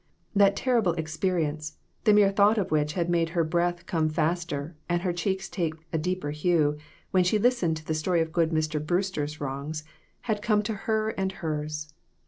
That terrible experience, the mere thought of which had made her breath come faster and her cheeks take a deeper hue when she listened to the story of good Mr. Brewster's wrongs, had come to her and hers